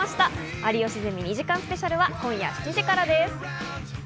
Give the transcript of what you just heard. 『有吉ゼミ』２時間スペシャルは今夜７時からです。